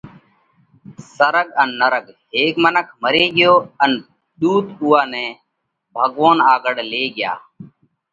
سرڳ ان نرڳ: هيڪ منک مري ڳيو ان ۮُوت اُوئا نئہ ڀڳوونَ آڳۯ لي ڳيا۔